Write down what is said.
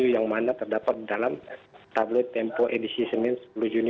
yang mana terdapat dalam tabloid tempo edisi senin sepuluh juni dua ribu sembilan belas